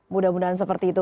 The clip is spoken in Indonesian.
mudah mudahan seperti itu